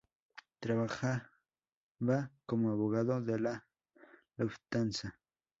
Trabajaba como abogado de la Lufthansa.